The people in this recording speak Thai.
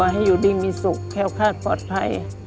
ให้อยู่ดีมีสุขแค้วคาดปลอดภัย